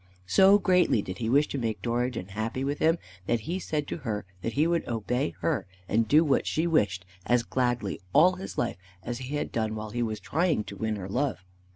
So greatly did he wish to make Dorigen happy with him, that he said to her that he would obey her and do what she wished as gladly all his life as he had done while he was trying to win her love.